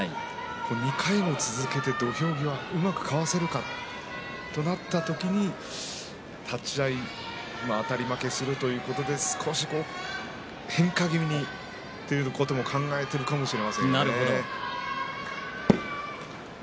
２回も続けて土俵際、うまくかわせるかとなった時に立ち合い、あたり負けするということで少し変化気味にいくということも考えているかもしれません。